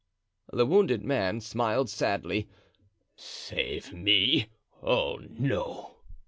The wounded man smiled sadly. "Save me! Oh, no!"